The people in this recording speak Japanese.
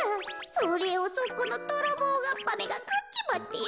それをそこのどろぼうがっぱがくっちまってよ。